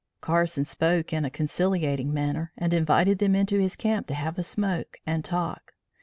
Carson spoke in a conciliating manner and invited them into his camp to have a smoke and talk.